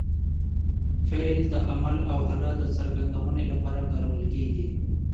فعل د عمل او حالت د څرګندوني له پاره کارول کېږي.